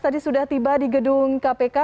tadi sudah tiba di gedung kpk